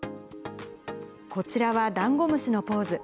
こちらはダンゴムシのポーズ。